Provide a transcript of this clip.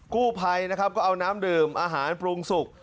กู้ไพก็เอาน้ำดื่มอาหารปรุงสุข